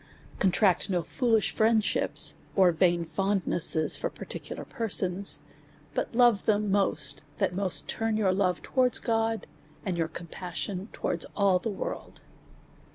Con tract no foolish friendships, or vain fondnesses for par ticular persons ; but love them most, that most turn your love towards God, and your compassion towards all the world.